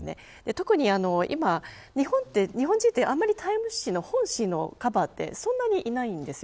特に今、日本人ってあんまりタイム誌の本誌の変わっていないんですよ。